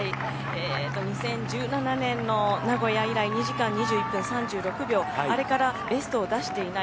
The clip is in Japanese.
２０１７年の名古屋以来２時間２１分３６秒あれからベストを出していない